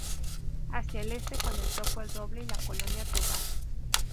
Hacia el Este con el Topo El Roble y la Colonia Tovar.